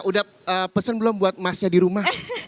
udah pesen belum buat emasnya di rumah